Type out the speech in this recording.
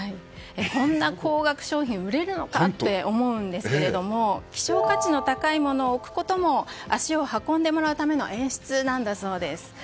こんな高額商品売れるのか？って思いますが希少価値の高いものを置くことも足を運んでもらうための演出なんだそうです。